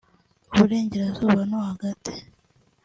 Iburengerazuba no hagati